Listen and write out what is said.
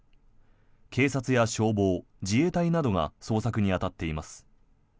警察や消防、自衛隊などが捜索に当たっています。